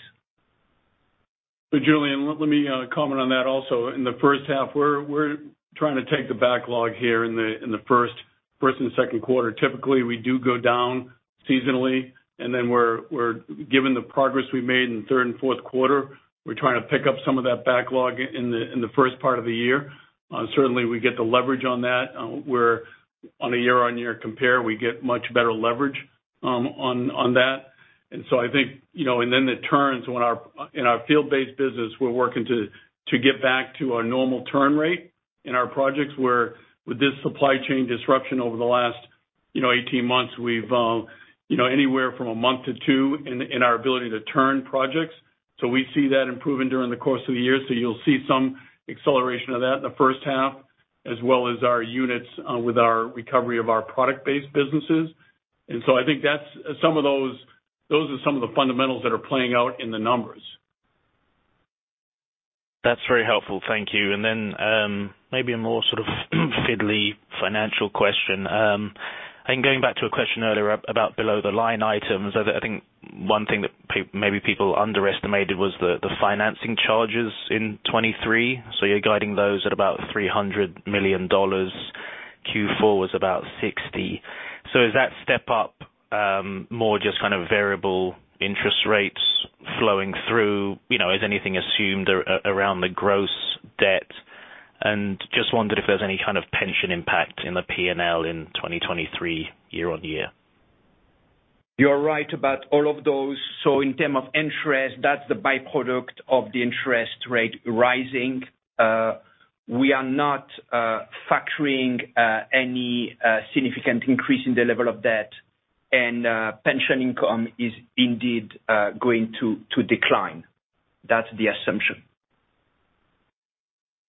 Speaker 3: Julian, let me comment on that also. In the first half, we're trying to take the backlog here in the first and second quarter. Typically, we do go down seasonally, and then given the progress we made in third and fourth quarter, we're trying to pick up some of that backlog in the first part of the year. Certainly we get the leverage on that. We're on a year-on-year compare, we get much better leverage on that. I think, and then the turns in our field-based business, we're working to get back to our normal turn rate in our projects where with this supply chain disruption over the last 18 months, we've anywhere from a month to two in our ability to turn projects. We see that improving during the course of the year. You'll see some acceleration of that in the first half, as well as our units with our recovery of our product-based businesses. I think that's some of those are some of the fundamentals that are playing out in the numbers.
Speaker 10: That's very helpful. Thank you. Maybe a more sort of fiddly financial question. I'm going back to a question earlier about below the line items. I think one thing that maybe people underestimated was the financing charges in 2023. You're guiding those at about $300 million. Q4 was about $60 million. Is that step up more just kind of variable interest rates flowing through? You know, is anything assumed around the gross debt? Just wondered if there's any kind of pension impact in the P&L in 2023 year-over-year.
Speaker 4: You're right about all of those. In terms of interest, that's the byproduct of the interest rate rising. We are not factoring any significant increase in the level of debt. Pension income is indeed going to decline. That's the assumption.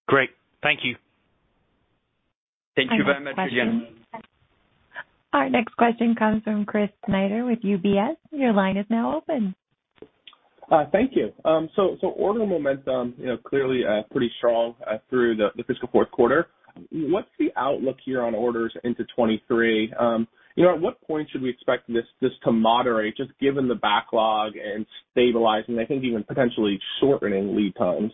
Speaker 10: Great. Thank you.
Speaker 4: Thank you very much, Julian.
Speaker 1: Our next question comes from Chris Snyder with UBS. Your line is now open.
Speaker 11: Thank you. Order momentum, you know, clearly pretty strong through the fiscal fourth quarter. What's the outlook here on orders into 2023? At what point should we expect this to moderate, just given the backlog and stabilizing, I think even potentially shortening lead times?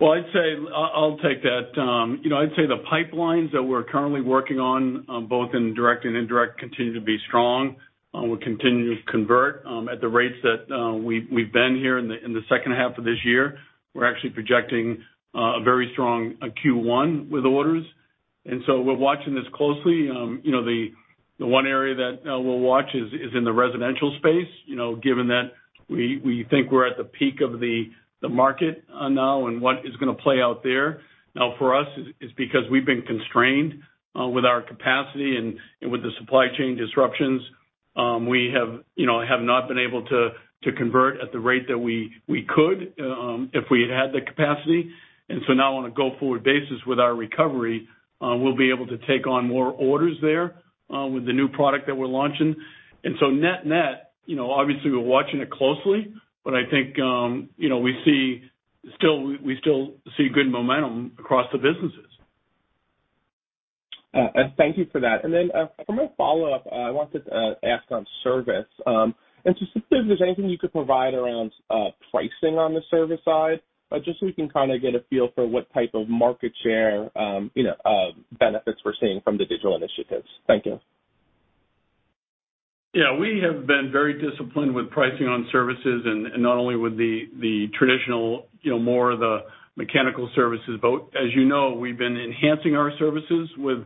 Speaker 3: Well, I'd say, I'll take that. You know, I'd say the pipelines that we're currently working on, both in direct and indirect, continue to be strong. We continue to convert at the rates that we've been here in the second half of this year. We're actually projecting a very strong Q1 with orders. We're watching this closely. You know, the one area that we'll watch is in the residential space. You know, given that we think we're at the peak of the market now and what is gonna play out there for us is because we've been constrained with our capacity and with the supply chain disruptions. We have not been able to convert at the rate that we could if we'd had the capacity. Now on a go-forward basis with our recovery, we'll be able to take on more orders there with the new product that we're launching. Net-net, you know, obviously we're watching it closely, but I think, you know, we still see good momentum across the businesses.
Speaker 11: Thank you for that. For my follow-up, I want to ask on service. Just if there's anything you could provide around pricing on the service side, just so we can kind of get a feel for what type of market share, you know, benefits we're seeing from the digital initiatives. Thank you.
Speaker 3: Yeah, we have been very disciplined with pricing on services and not only with the traditional, you know, more of the mechanical services. As you know, we've been enhancing our services with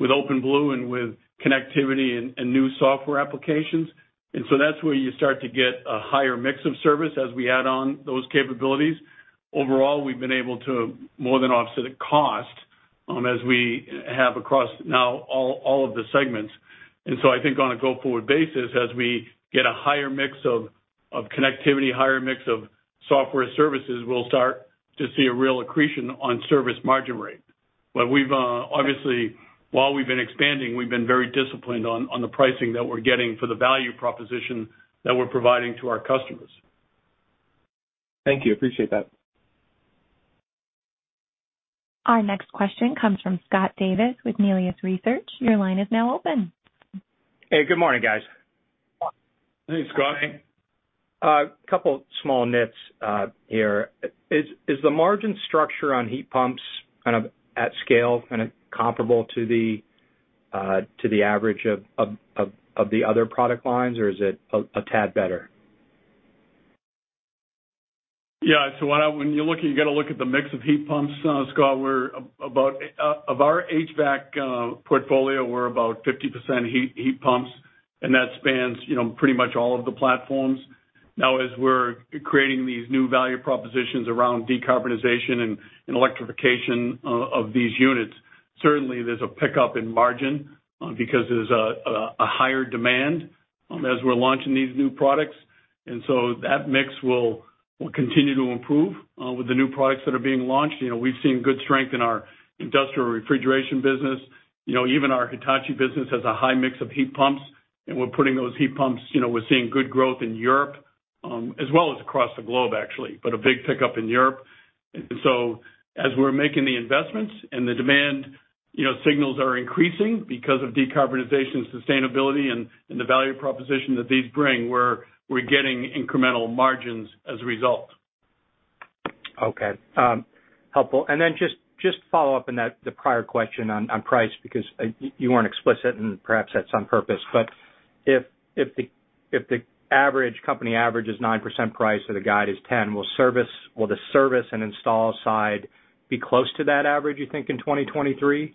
Speaker 3: OpenBlue and with connectivity and new software applications. That's where you start to get a higher mix of service as we add on those capabilities. Overall, we've been able to more than offset costs as we have across now all of the segments. I think on a go-forward basis, as we get a higher mix of connectivity, higher mix of software services, we'll start to see a real accretion on service margin rate. We've obviously, while we've been expanding, we've been very disciplined on the pricing that we're getting for the value proposition that we're providing to our customers.
Speaker 11: Thank you. Appreciate that.
Speaker 1: Our next question comes from Scott Davis with Melius Research. Your line is now open.
Speaker 12: Hey, good morning, guys.
Speaker 3: Hey, Scott.
Speaker 12: Couple small nits here. Is the margin structure on heat pumps kind of at scale, kinda comparable to the average of the other product lines, or is it a tad better?
Speaker 3: Yeah. When you look, you gotta look at the mix of heat pumps, Scott. Of our HVAC portfolio, we're about 50% heat pumps, and that spans, you know, pretty much all of the platforms. Now, as we're creating these new value propositions around decarbonization and electrification of these units, certainly there's a pickup in margin because there's a higher demand as we're launching these new products. That mix will continue to improve with the new products that are being launched. You know, we've seen good strength in our industrial refrigeration business. You know, even our Hitachi business has a high mix of heat pumps, and we're putting those heat pumps. You know, we're seeing good growth in Europe as well as across the globe, actually, but a big pickup in Europe. As we're making the investments and the demand signals are increasing because of decarbonization, sustainability, and the value proposition that these bring, we're getting incremental margins as a result.
Speaker 12: Okay, helpful. Then just to follow up on that, the prior question on price, because you weren't explicit, and perhaps that's on purpose. But if the average company average is 9% price, so the guide is 10, will the service and install side be close to that average, you think, in 2023?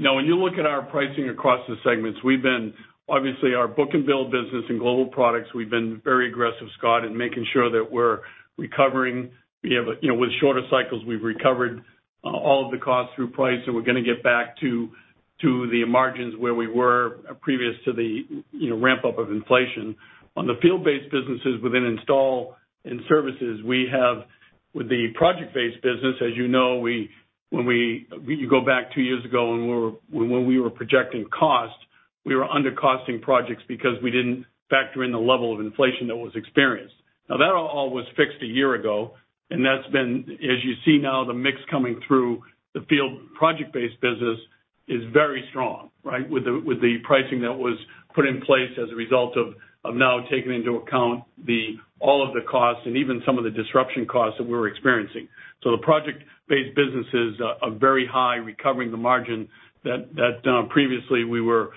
Speaker 3: No, when you look at our pricing across the segments, we've been. Obviously, our book and build business in Global Products, we've been very aggressive, Scott, in making sure that we're recovering. You know, with shorter cycles, we've recovered all of the costs through price, and we're gonna get back to the margins where we were previous to the, you know, ramp up of inflation. On the field-based businesses within install and services, we have with the project-based business, as you know, you go back two years ago when we were projecting costs, we were under-costing projects because we didn't factor in the level of inflation that was experienced. Now, that all was fixed a year ago, and that's been. As you see now, the mix coming through the field project-based business is very strong, right? With the pricing that was put in place as a result of now taking into account all of the costs and even some of the disruption costs that we were experiencing. The project-based businesses are very high recovering the margin that previously we were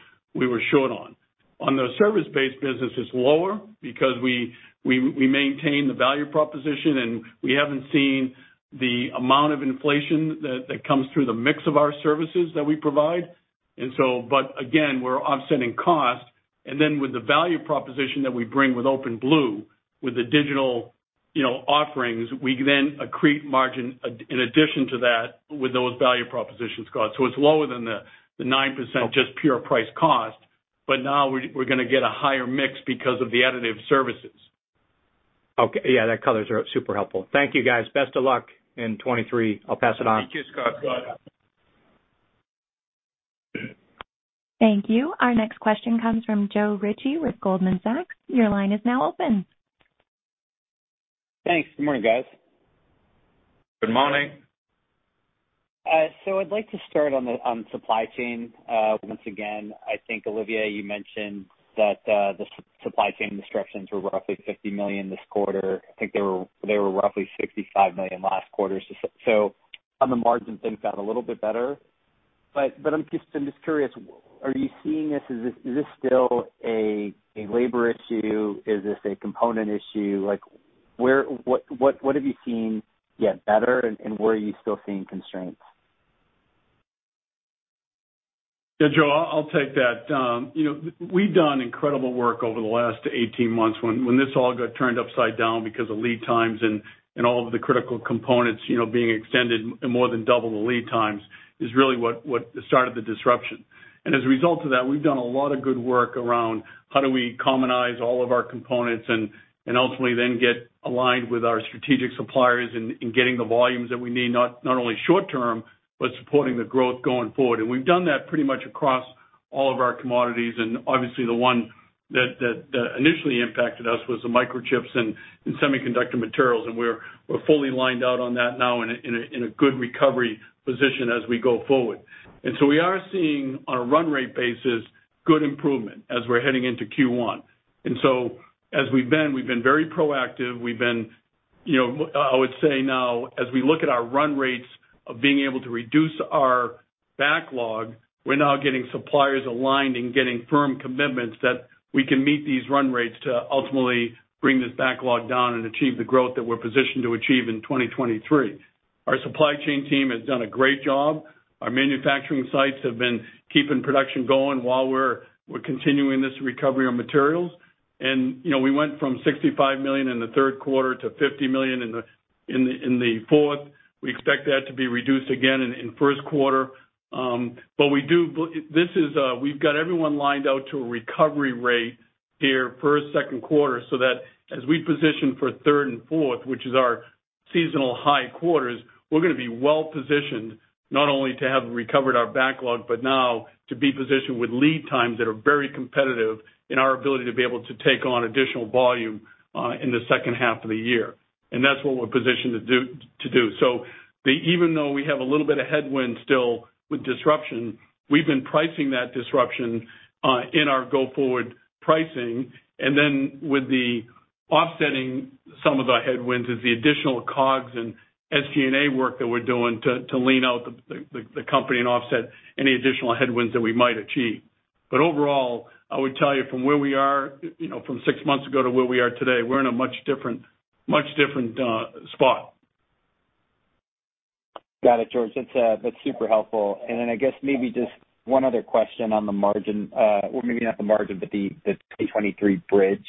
Speaker 3: short on. On the service-based business, it's lower because we maintain the value proposition, and we haven't seen the amount of inflation that comes through the mix of our services that we provide. But again, we're offsetting cost. With the value proposition that we bring with OpenBlue, with the digital, you know, offerings, we then accrete margin in addition to that with those value propositions costs. It's lower than the 9% just pure price cost, but now we're gonna get a higher mix because of the additive services.
Speaker 12: Okay. Yeah, that covers it. Super helpful. Thank you, guys. Best of luck in 2023. I'll pass it on.
Speaker 3: Thank you, Scott.
Speaker 1: Thank you. Our next question comes from Joe Ritchie with Goldman Sachs. Your line is now open.
Speaker 13: Thanks. Good morning, guys.
Speaker 3: Good morning.
Speaker 13: I'd like to start on the supply chain. Once again, I think, Olivier, you mentioned that the supply chain disruptions were roughly $50 million this quarter. I think they were roughly $65 million last quarter. On the margin, things got a little bit better. I'm just curious, are you seeing this as? Is this still a labor issue? Is this a component issue? Like, where, what have you seen get better, and where are you still seeing constraints?
Speaker 3: Yeah, Joe, I'll take that. You know, we've done incredible work over the last 18 months when this all got turned upside down because of lead times and all of the critical components, you know, being extended more than double the lead times is really what started the disruption. As a result of that, we've done a lot of good work around how do we commonize all of our components and ultimately then get aligned with our strategic suppliers in getting the volumes that we need, not only short term, but supporting the growth going forward. We've done that pretty much across all of our commodities, and obviously the one that initially impacted us was the microchips and semiconductor materials, and we're fully lined out on that now in a good recovery position as we go forward. We are seeing on a run rate basis good improvement as we're heading into Q1. As we've been very proactive. You know, I would say now as we look at our run rates of being able to reduce our backlog, we're now getting suppliers aligned and getting firm commitments that we can meet these run rates to ultimately bring this backlog down and achieve the growth that we're positioned to achieve in 2023. Our supply chain team has done a great job. Our manufacturing sites have been keeping production going while we're continuing this recovery on materials. You know, we went from $65 million in the third quarter to $50 million in the fourth. We expect that to be reduced again in first quarter. But this is. We've got everyone lined up to a recovery rate here first, second quarter, so that as we position for third and fourth, which is our seasonal high quarters, we're gonna be well-positioned not only to have recovered our backlog but now to be positioned with lead times that are very competitive in our ability to be able to take on additional volume in the second half of the year. That's what we're positioned to do. Even though we have a little bit of headwind still with disruption, we've been pricing that disruption in our go-forward pricing. Then with the offsetting some of the headwinds is the additional COGS and SG&A work that we're doing to lean out the company and offset any additional headwinds that we might achieve. Overall, I would tell you from where we are, you know, from six months ago to where we are today, we're in a much different spot.
Speaker 13: Got it, George. That's super helpful. Then I guess maybe just one other question on the margin. Well, maybe not the margin, but the 2023 bridge.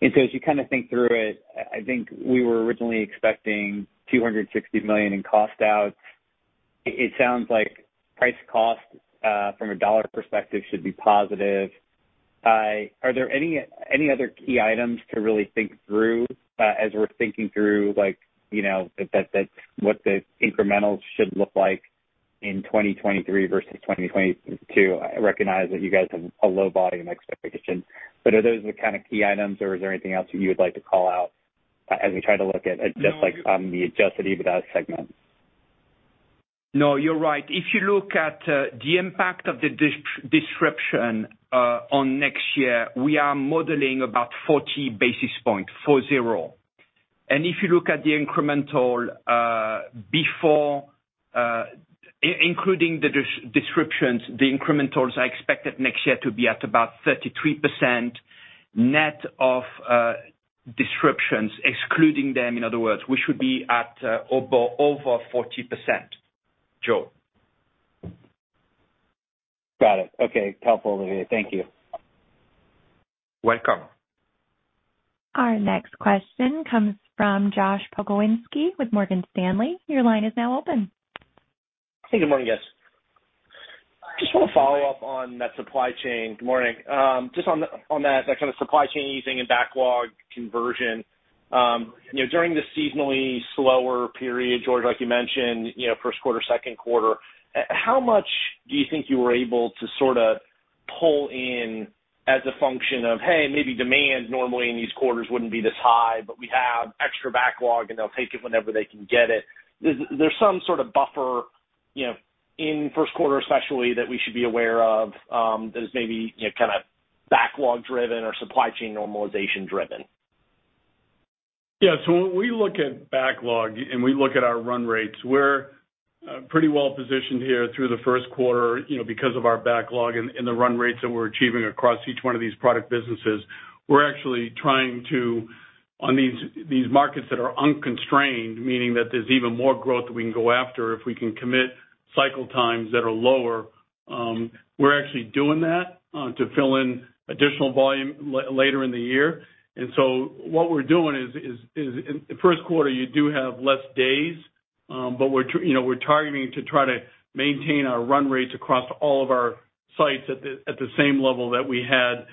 Speaker 13: So as you kinda think through it, I think we were originally expecting $260 million in cost outs. It sounds like price cost from a dollar perspective should be positive. Are there any other key items to really think through as we're thinking through, like, you know, that what the incrementals should look like in 2023 versus 2022? I recognize that you guys have a low volume expectation. Are those the kinda key items, or is there anything else that you would like to call out as we try to look at just, like, the adjusted EBITDA segment?
Speaker 4: No, you're right. If you look at the impact of the disruption on next year, we are modeling about 40 basis points, 40. If you look at the incrementals before including the disruptions, the incrementals are expected next year to be at about 33% net of disruptions, excluding them, in other words. We should be at over 40%, Joe.
Speaker 13: Got it. Okay. Helpful, Olivier. Thank you.
Speaker 4: Welcome.
Speaker 1: Our next question comes from Josh Pokrzywinski with Morgan Stanley. Your line is now open.
Speaker 14: Hey, good morning, guys. Just wanna follow up on that supply chain. Good morning. Just on that kind of supply chain easing and backlog conversion, you know, during the seasonally slower period, George, like you mentioned, you know, first quarter, second quarter, how much do you think you were able to sorta pull in as a function of, hey, maybe demand normally in these quarters wouldn't be this high, but we have extra backlog, and they'll take it whenever they can get it? Is there some sort of buffer, you know, in first quarter especially, that we should be aware of, that is maybe, you know, kinda backlog driven or supply chain normalization driven?
Speaker 3: Yeah. When we look at backlog and we look at our run rates, we're pretty well positioned here through the first quarter, you know, because of our backlog and the run rates that we're achieving across each one of these product businesses. We're actually trying to, on these markets that are unconstrained, meaning that there's even more growth that we can go after if we can commit cycle times that are lower, we're actually doing that to fill in additional volume later in the year. What we're doing is in the first quarter, you do have less days, but we're targeting to try to maintain our run rates across all of our sites at the same level that we had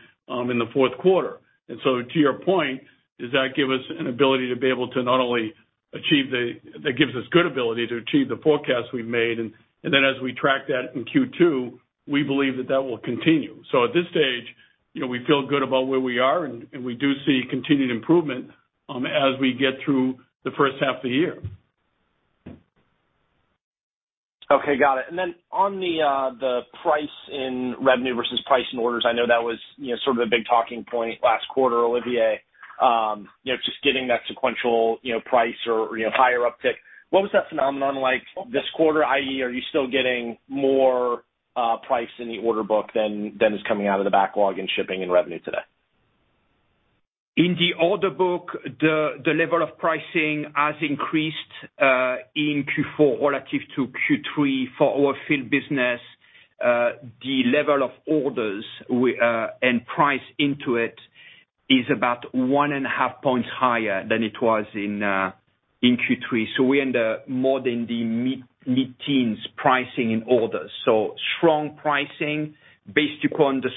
Speaker 3: in the fourth quarter. To your point, that gives us good ability to achieve the forecast we've made. And then as we track that in Q2, we believe that will continue. At this stage, you know, we feel good about where we are, and we do see continued improvement as we get through the first half of the year.
Speaker 14: Okay, got it. Then on the price in revenue versus price in orders, I know that was, you know, sort of a big talking point last quarter, Olivier. You know, just getting that sequential, you know, price or higher uptick. What was that phenomenon like this quarter? i.e., are you still getting more price in the order book than is coming out of the backlog and shipping and revenue today?
Speaker 4: In the order book, the level of pricing has increased in Q4 relative to Q3 for our field business. The level of orders and price into it is about 1.5 points higher than it was in Q3. We end up more in the mid-teens pricing in orders. Strong pricing based upon the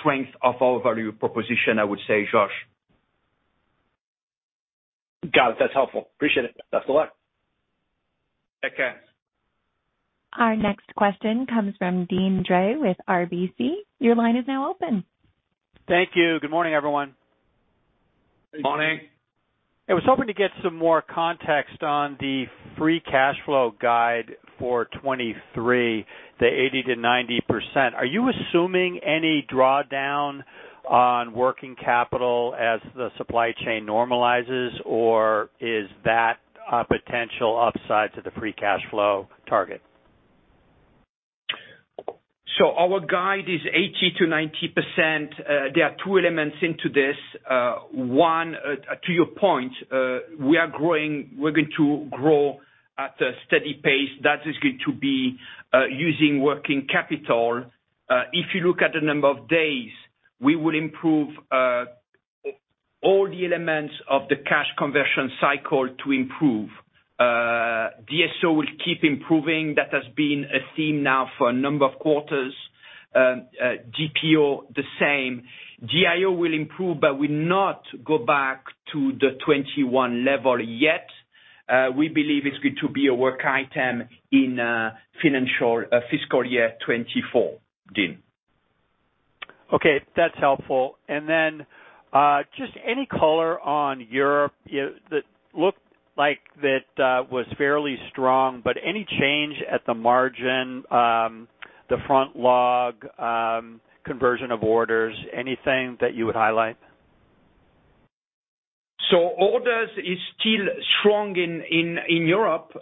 Speaker 4: strength of our value proposition, I would say, Josh.
Speaker 14: Got it. That's helpful. Appreciate it. Best of luck.
Speaker 4: Take care.
Speaker 1: Our next question comes from Deane Dray with RBC. Your line is now open.
Speaker 15: Thank you. Good morning, everyone.
Speaker 4: Morning.
Speaker 15: I was hoping to get some more context on the free cash flow guide for 2023, the 80%-90%. Are you assuming any drawdown on working capital as the supply chain normalizes, or is that a potential upside to the free cash flow target?
Speaker 4: Our guide is 80%-90%. There are two elements into this. One, to your point, we're going to grow at a steady pace. That is going to be using working capital. If you look at the number of days, we will improve all the elements of the cash conversion cycle to improve. DSO will keep improving. That has been a theme now for a number of quarters. DPO, the same. DIO will improve, but will not go back to the 21 level yet. We believe it's going to be a work item in fiscal year 2024, Deane.
Speaker 15: Okay. That's helpful. Just any color on Europe that looked like that was fairly strong, but any change at the margin, the frontlog conversion of orders, anything that you would highlight?
Speaker 4: Orders is still strong in Europe.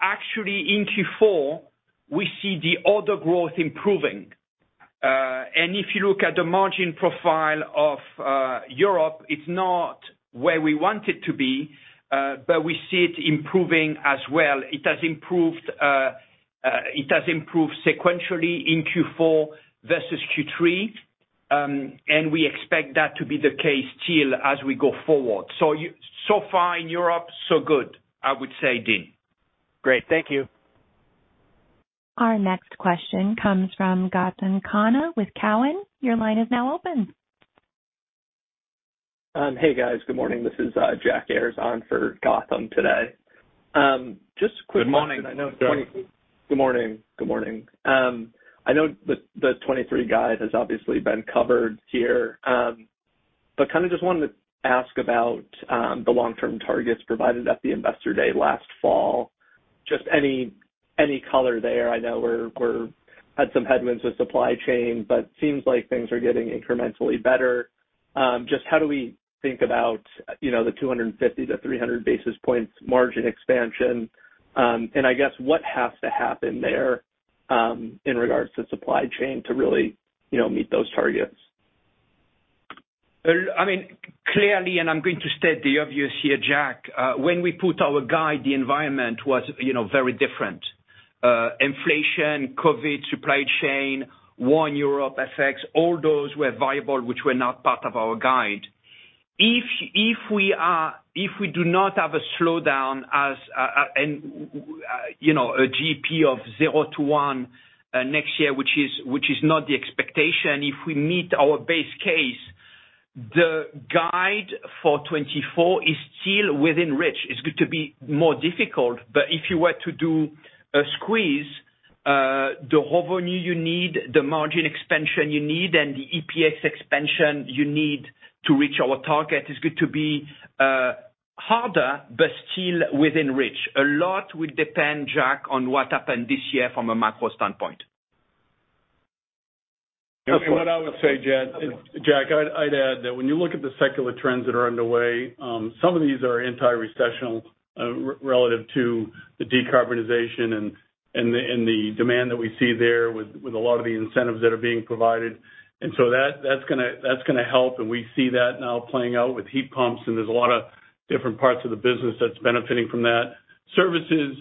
Speaker 4: Actually in Q4, we see the order growth improving. If you look at the margin profile of Europe, it's not where we want it to be, but we see it improving as well. It has improved sequentially in Q4 versus Q3, we expect that to be the case still as we go forward. So far in Europe, so good, I would say, Deane.
Speaker 15: Great. Thank you.
Speaker 1: Our next question comes from Gautam Khanna with Cowen. Your line is now open.
Speaker 16: Hey, guys. Good morning. This is Jack Ayers on for Gautam Khanna today. Just a quick question.
Speaker 4: Good morning, Jack.
Speaker 16: Good morning. I know the 23 guide has obviously been covered here, but kind of just wanted to ask about the long-term targets provided at the Investor Day last fall. Just any color there. I know we had some headwinds with supply chain, but seems like things are getting incrementally better. Just how do we think about, you know, the 250-300 basis points margin expansion? I guess what has to happen there in regards to supply chain to really, you know, meet those targets?
Speaker 4: I mean, clearly, and I'm going to state the obvious here, Jack, when we put our guide, the environment was, you know, very different. Inflation, COVID, supply chain, war in Europe affected us all. Those were vital, which were not part of our guide. If we do not have a slowdown and a GDP of 0%-1% next year, which is not the expectation. If we meet our base case, the guide for 2024 is still within reach. It's going to be more difficult, but if you were to do a squeeze, the revenue you need, the margin expansion you need, and the EPS expansion you need to reach our target is going to be harder, but still within reach. A lot will depend, Jack, on what happened this year from a macro standpoint.
Speaker 3: What I would say, Jack, I'd add that when you look at the secular trends that are underway, some of these are anti-recessional relative to the decarbonization and the demand that we see there with a lot of the incentives that are being provided. That's gonna help. We see that now playing out with heat pumps, and there's a lot of different parts of the business that's benefiting from that. Services,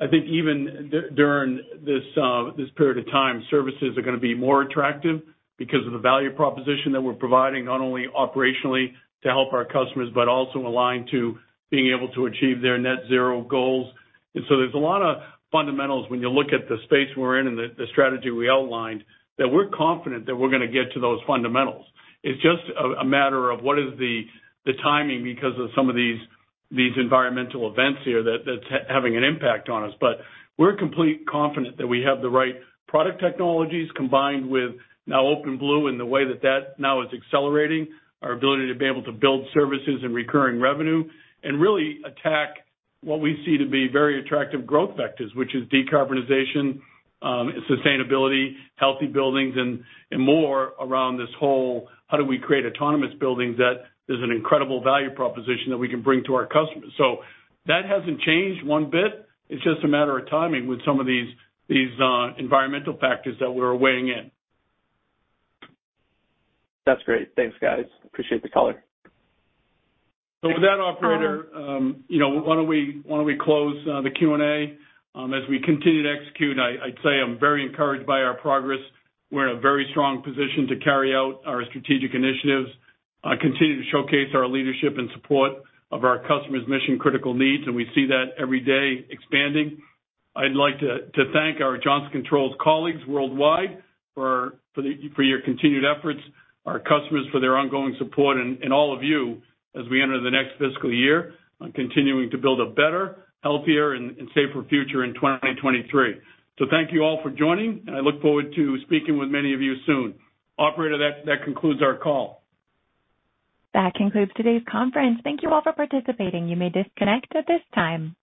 Speaker 3: I think even during this period of time, services are gonna be more attractive because of the value proposition that we're providing, not only operationally to help our customers, but also aligned to being able to achieve their net zero goals. There's a lot of fundamentals when you look at the space we're in and the strategy we outlined, that we're confident that we're gonna get to those fundamentals. It's just a matter of what is the timing because of some of these environmental events here that's having an impact on us. We're completely confident that we have the right product technologies combined with now OpenBlue and the way that that now is accelerating our ability to be able to build services and recurring revenue and really attack what we see to be very attractive growth vectors, which is decarbonization, sustainability, healthy buildings, and more around this whole how do we create autonomous buildings that is an incredible value proposition that we can bring to our customers. That hasn't changed one bit. It's just a matter of timing with some of these environmental factors that we're weighing in.
Speaker 16: That's great. Thanks, guys. Appreciate the color.
Speaker 3: With that, operator, why don't we close the Q&A. As we continue to execute, I'd say I'm very encouraged by our progress. We're in a very strong position to carry out our strategic initiatives, continue to showcase our leadership and support of our customers' mission-critical needs, and we see that every day expanding. I'd like to thank our Johnson Controls colleagues worldwide for your continued efforts, our customers for their ongoing support, and all of you as we enter the next fiscal year on continuing to build a better, healthier, and safer future in 2023. Thank you all for joining, and I look forward to speaking with many of you soon. Operator, that concludes our call.
Speaker 1: That concludes today's conference. Thank you all for participating. You may disconnect at this time.